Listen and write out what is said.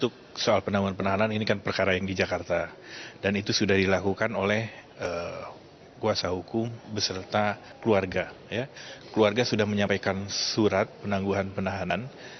keluarga sudah menyampaikan surat penangguhan penahanan